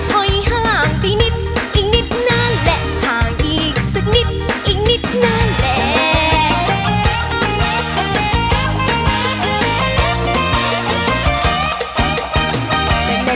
ให้ห่างไปนิดอีกนิดนานและห่างอีกสักนิดอีกนิดนานแล้ว